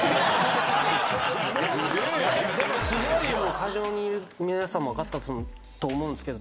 会場にいる皆さんも分かったと思うんですけど。